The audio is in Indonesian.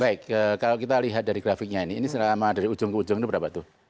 baik kalau kita lihat dari grafiknya ini ini selama dari ujung ke ujung ini berapa tuh